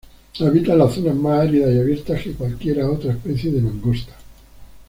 Habitan las zonas más áridas y abiertas que cualquier otra especie de mangosta.